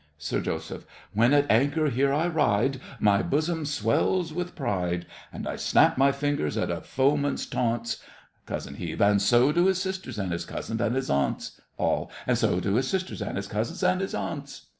SIR JOSEPH. When at anchor here I ride, My bosom swells with pride, And I snap my fingers at a foeman's taunts; COUSIN HEBE. And so do his sisters, and his cousins, and his aunts! ALL. And so do his sisters, and his cousins, and his aunts!